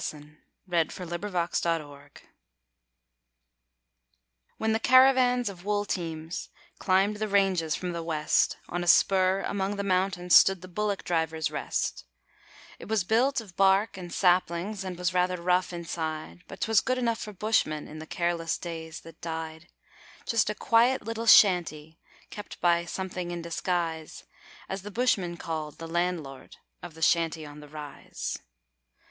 The Shanty on the Rise When the caravans of wool teams climbed the ranges from the West, On a spur among the mountains stood 'The Bullock drivers' Rest'; It was built of bark and saplings, and was rather rough inside, But 'twas good enough for bushmen in the careless days that died Just a quiet little shanty kept by 'Something in Disguise', As the bushmen called the landlord of the Shanty on the Rise.